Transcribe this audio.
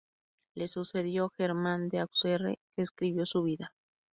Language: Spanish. Le sucedió Germán de Auxerre, que escribió su vida.